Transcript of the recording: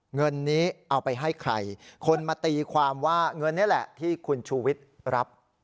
เงินนี้เอาไปให้ใครคนมาตีความว่าเงินนี่แหละที่คุณชูวิทย์รับ